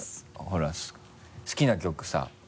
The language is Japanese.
ほら好きな曲さ。